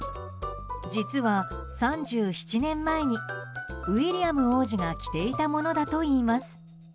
実は、３７年前にウィリアム王子が着ていたものだといいます。